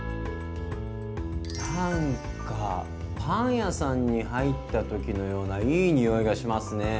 なんかパン屋さんに入った時のようないい匂いがしますね。